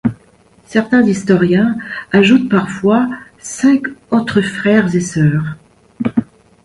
Certains historiens ajoutent parfois cinq autres frères et sœurs.